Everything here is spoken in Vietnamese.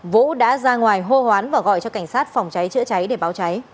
vũ đã ra ngoài hô hoán và gọi cho cảnh sát phòng cháy chữa cháy để báo cháy